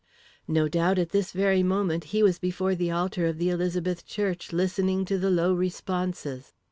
No doubt, at this very moment, he was before the altar of the Elizabeth church, listening to the low responses.